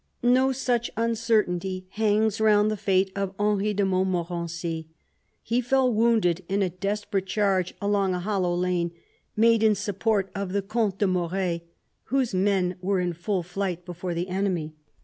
No such uncertainty hangs round the fate of Henry de Montmorency. He fell wounded in a desperate charge along a hollow lane, made in support of the Comte de Moret, whose men were in full flight before the enemy.